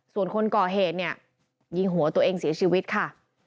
ส่วนคนก่อเหตุเนี่ยยิงหัวตัวเองเสียชีวิตค่ะ